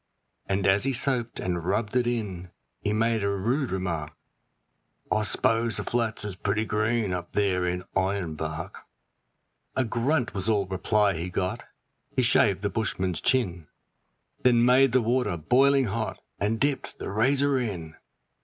And as he soaped and rubbed it in he made a rude remark: 'I s'pose the flats is pretty green up there in Ironbark.' A grunt was all reply he got; he shaved the bushman's chin, Then made the water boiling hot and dipped the razor in.